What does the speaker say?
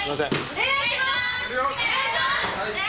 お願いします！